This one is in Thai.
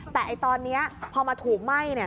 แต่ตอนนี้พอมาถูกไหม้